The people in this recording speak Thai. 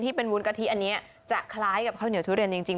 เป็นวุ้นกะทิอันนี้จะคล้ายกับข้าวเหนียวทุเรียนจริง